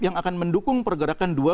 yang akan mendukung pergerakan dua